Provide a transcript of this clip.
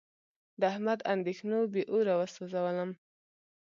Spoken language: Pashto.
د احمد اندېښنو بې اوره و سوزولم.